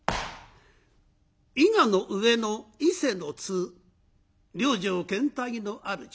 伊賀の上野伊勢の津両城兼帯の主